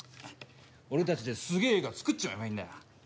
俺たちですげえ映画作っちまえばいいんだよ。